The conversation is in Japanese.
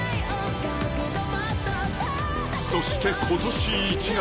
［そして今年１月］